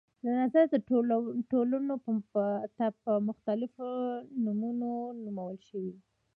نظر د ټولنو ته په مختلفو نمونو نومول شوي.